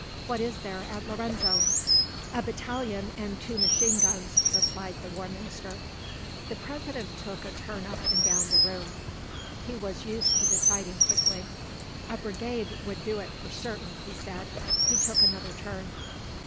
What is there at Lorenzo?" "A battalion and two machine guns," replied the War Minister. The President took a turn up and down the room. He was used to deciding quickly. "A brigade would do it for certain," he said. He took another turn.